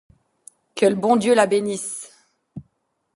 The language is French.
Que le bon Dieu la bénisse !